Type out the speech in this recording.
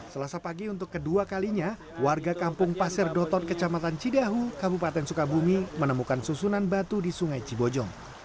selasa pagi untuk kedua kalinya warga kampung pasir dotot kecamatan cidahu kabupaten sukabumi menemukan susunan batu di sungai cibojong